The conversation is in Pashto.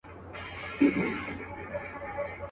چاویل مور یې بي بي پلار یې اوزبک دی.